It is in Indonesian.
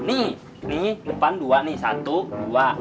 ini depan dua nih satu dua